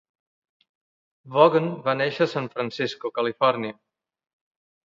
Vaughn va créixer a San Francisco, Califòrnia.